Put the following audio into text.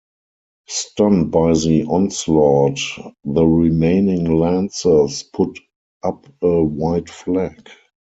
Stunned by the onslaught, the remaining Lancers put up a white flag.